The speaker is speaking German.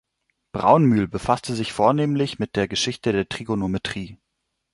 Braunmühl befasste sich vornehmlich mit der Geschichte der Trigonometrie.